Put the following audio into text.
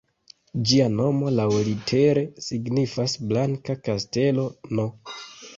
Ĝia nomo laŭlitere signifas "Blanka Kastelo"-n.